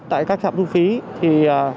tại các trạm thu phí